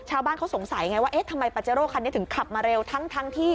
ชาวบ้านเขาสงสัยไงว่าเอ๊ะทำไมปาเจโร่คันนี้ถึงขับมาเร็วทั้งที่